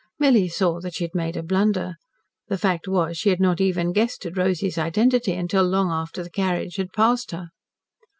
Milly saw that she had made a blunder. The fact was she had not even guessed at Rosy's identity until long after the carriage had passed her.